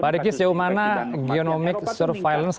pak diki sejauh mana geonomik surveillance